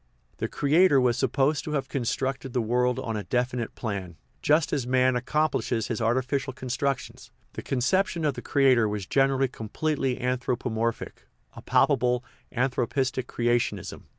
The creator was supposed to have constructed the world on a definite plan, just as man accomplishes his artificial constructions; the concep tion of the creator was generally completely anthropo morphic, a palpable " anthropistic creationism."